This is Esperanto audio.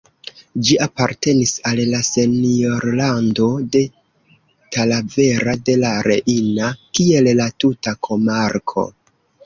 Ĝi apartenis al la senjorlando de Talavera de la Reina, kiel la tuta komarko.